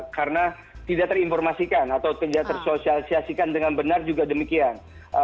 karena tidak terinformasikan atau tidak tersosialisasikan dengan benar juga demikian